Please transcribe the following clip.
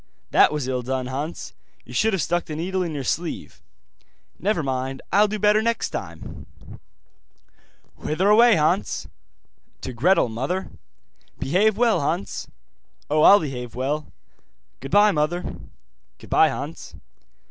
'That was ill done, Hans. You should have stuck the needle in your sleeve.' 'Never mind, I'll do better next time.' 'Whither away, Hans?' 'To Gretel, mother.' 'Behave well, Hans.' 'Oh, I'll behave well. Goodbye, mother.' 'Goodbye, Hans.